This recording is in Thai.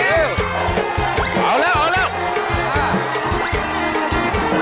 เอาแล้วเอาแล้ว